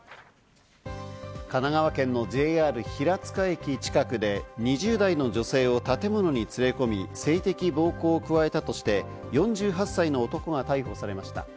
神奈川県のＪＲ平塚駅近くで２０代の女性を建物に連れ込み、性的暴行を加えたとして４８歳の男が逮捕されました。